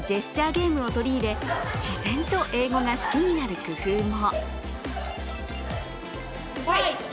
ゲームを取り入れ、自然と英語が好きになる工夫も。